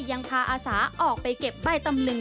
ยังพาอาสาออกไปเก็บใบตำลึง